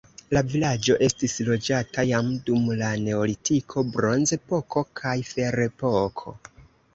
La vilaĝo estis loĝata jam dum la neolitiko, bronzepoko kaj ferepoko.